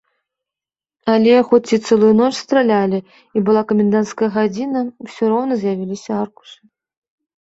Але хоць і цэлую ноч стралялі і была каменданцкая гадзіна, усё роўна з'явіліся аркушы.